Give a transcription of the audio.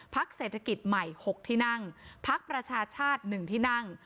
เศรษฐกิจใหม่๖ที่นั่งพักประชาชาติ๑ที่นั่ง